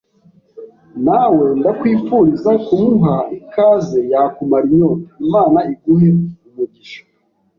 nawe ndakwifuriza kumuha ikaze yakumara inyota. Imana iguhe umugisha.